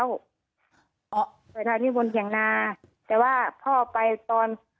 รอยเท้าที่บนเขียงนาแต่ว่าพ่อไปตอน